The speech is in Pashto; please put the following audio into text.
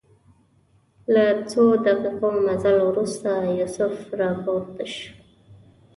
له څو دقیقو مزل وروسته یوسف راپورته شو.